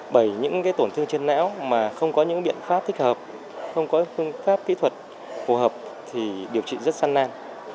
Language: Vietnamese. bởi những tổn thương trên não mà không có những biện pháp thích hợp không có phương pháp kỹ thuật phù hợp thì điều trị rất săn nang